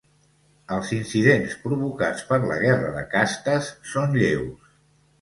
Els incidents provocats per la guerra de castes són lleus